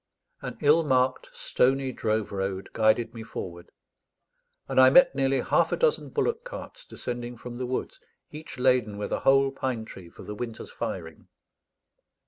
An ill marked stony drove road guided me forward; and I met nearly half a dozen bullock carts descending from the woods, each laden with a whole pine tree for the winter's firing.